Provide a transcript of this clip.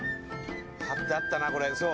はってあったなこれ。